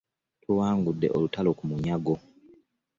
Tuwangudde olutalo ku mulyango.